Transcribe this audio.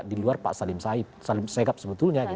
di luar pak salim saigap sebetulnya